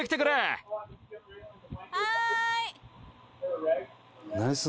・はい。